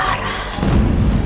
pada roy dan clara